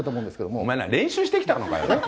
お前なあ、練習してきたのかよ？